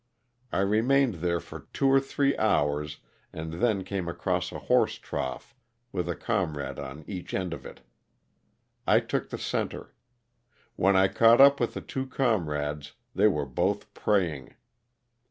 I re mained there for two or three hours and then came across a horse trough with a comrade on each end of it. I took the center. When I caught up with the two comrades they were both praying.